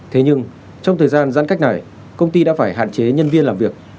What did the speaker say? thế nhưng trong thời gian giãn cách này công ty đã phải hạn chế nhân viên làm việc